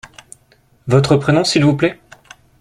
Votre prénom, s’il vous plait ?